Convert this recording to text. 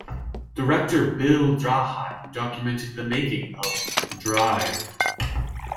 Director Bill Draheim documented the making of "Drive".